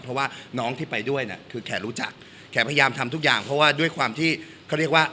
เพราะว่าน้องที่ไปด้วยน่ะคือแขกรู้จักแขกพยายามทำทุกอย่างเพราะว่าด้วยความที่เขาเรียกว่า